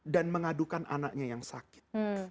dan mengadukan anaknya yang sakit